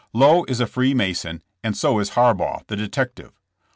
Lowe is a Free Mason, and so is Harbaugh, the detective.